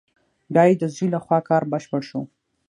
بیا یې د زوی له خوا کار بشپړ شو.